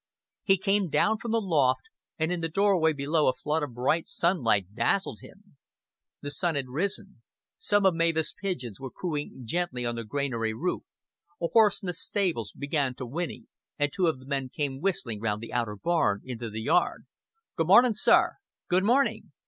He came down from the loft, and in the doorway below a flood of bright sunlight dazzled him. The sun had risen, Some of Mavis' pigeons were cooing gently on the granary roof, a horse in the stables began to whinny, and two of the men came whistling round the outer barn into the yard. "Good mornin', sir." "Good morning."